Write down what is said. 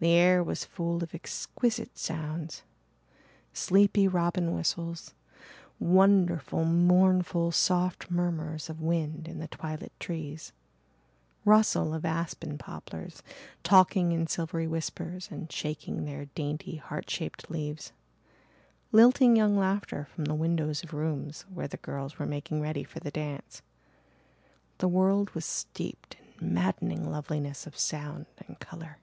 The air was full of exquisite sounds sleepy robin whistles, wonderful, mournful, soft murmurs of wind in the twilit trees, rustle of aspen poplars talking in silvery whispers and shaking their dainty, heart shaped leaves, lilting young laughter from the windows of rooms where the girls were making ready for the dance. The world was steeped in maddening loveliness of sound and colour.